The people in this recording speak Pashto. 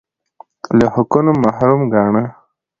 له حقونو محروم ګاڼه